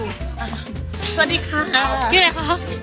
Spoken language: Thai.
คุณพ่อมีลูกทั้งหมด๑๐ปี